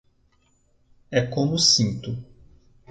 É como sinto.